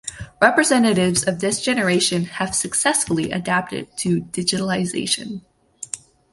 Representatives of this generation have successfully adapted to digitalization.